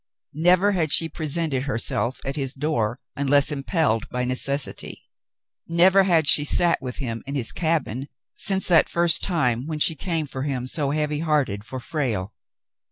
Never had she presented herself at his door unless impelled by necessity. Never had she sat with him in his cabin since that first time when she came to him so heavy hearted for Frale.